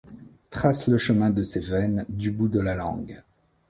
Trace le chemin de ses veines du bout de la langue.